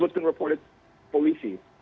itu yang diberikan oleh polisi